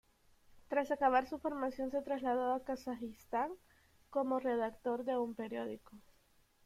Tras acabar su formación, se trasladó a Kazajistán como redactor de un periódico.